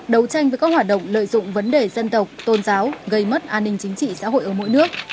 đấu tranh với các hoạt động lợi dụng vấn đề dân tộc tôn giáo gây mất an ninh chính trị xã hội ở mỗi nước